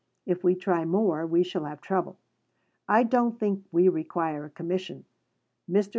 If we try more we shall have trouble. I don't think we require a commission. Mr.